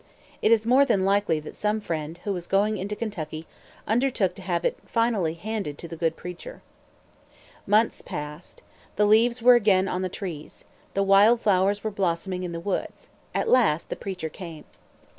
It is more than likely that some friend, who was going into Kentucky, undertook to have it finally handed to the good preacher. Months passed. The leaves were again on the trees. The wild flowers were blossoming in the woods. At last the preacher came.